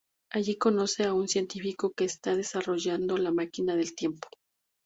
Allí conoce a un científico que está desarrollando la máquina del tiempo.